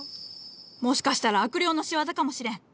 もしかしたら悪霊の仕業かもしれん。